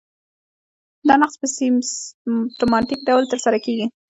دا نقض په سیستماتیک ډول ترسره کیږي.